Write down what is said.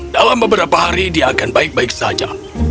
dalam beberapa hari dia akan baik baik saja